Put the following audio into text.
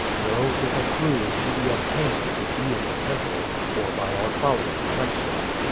No, if a clew is to be obtained it will be in the temple or by our following Plexo."